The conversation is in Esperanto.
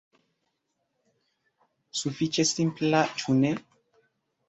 Sufiĉe simpla, ĉu ne?